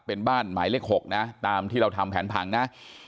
เป็นบ้านหมายเลข๖นะตามที่เราทำแผนผังนะ